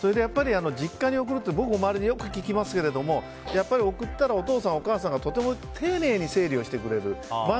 実家に送るって僕も周りでよく聞きますけどやっぱり送ったらお父さんお母さんがとても丁寧に整理をしてくれる。